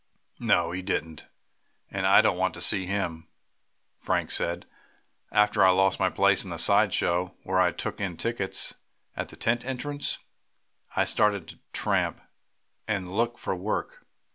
"No, he didn't, and I don't want to see him," Frank said. "After I lost my place in the side show, where I took in tickets at the tent entrance, I started to tramp, and look for work.